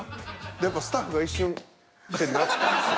でやっぱスタッフが一瞬ってなったんすよ。